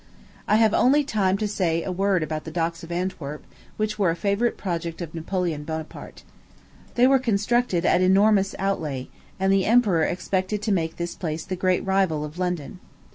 I have only time left to say a word about the docks of Antwerp, which were a favorite project of Napoleon Bonaparte. They were constructed at an enormous outlay; and the emperor expected to make this place the great rival of London.